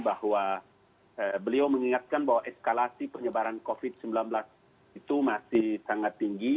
bahwa beliau mengingatkan bahwa eskalasi penyebaran covid sembilan belas itu masih sangat tinggi